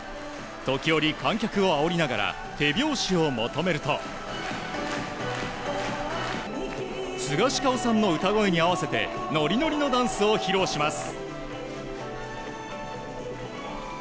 時折観客をあおりながら手拍子を求めるとスガシカオさんの歌声に合わせてノリノリのダンスを披露します。